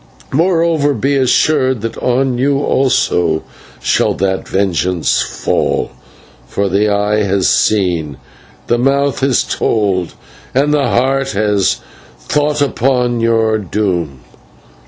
Moreover, be assured that on you also shall that vengeance fall, for the Eye has seen, the Mouth has told, and the Heart has thought upon your doom.